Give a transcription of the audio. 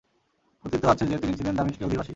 কথিত আছে যে, তিনি ছিলেন দামিশকের অধিবাসী।